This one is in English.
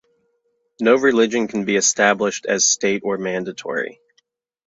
No religion can be established as state or mandatory.